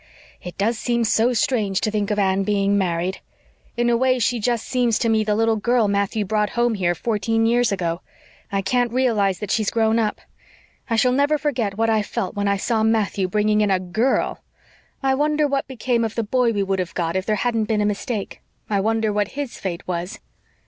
It does seem so strange to think of Anne being married. In a way she just seems to me the little girl Matthew brought home here fourteen years ago. I can't realize that she's grown up. I shall never forget what I felt when I saw Matthew bringing in a GIRL. I wonder what became of the boy we would have got if there hadn't been a mistake. I wonder what HIS fate was."